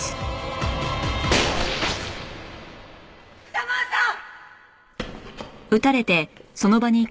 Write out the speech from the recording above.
土門さん！！